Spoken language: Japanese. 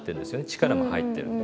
力も入ってる。